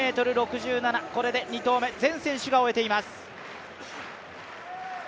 ２０ｍ６７、これで２投目、全選手が終えています。